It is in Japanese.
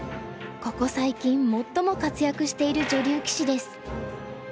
ここ最近最も活躍している女流棋士です。